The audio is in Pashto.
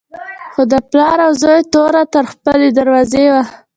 خو د پلار و زوی توره تر خپلې دروازې وه.